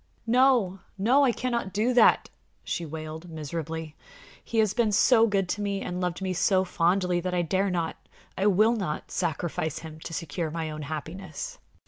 "No, no! I cannot do that," she wailed, miserably. "He has been so good to me and loved me so fondly that I dare not I will not sacrifice him to secure my own happiness!"